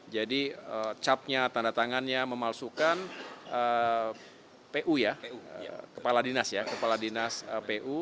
jadi capnya tanda tangannya memalsukan pu ya kepala dinas ya kepala dinas pu